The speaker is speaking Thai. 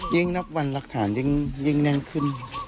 ยิ่งนับวันหลักฐานยิ่งแน่นขึ้น